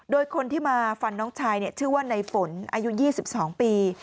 โดยคนที่มาฟันน้องชายชื่อว่าในฝนอายุ๒๒ปี